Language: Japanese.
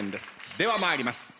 では参ります。